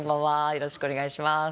よろしくお願いします。